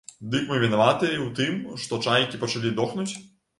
Дык мы вінаватыя і ў тым, што чайкі пачалі дохнуць?